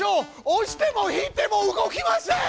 押しても引いても動きません！